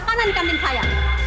makanan di kantin saya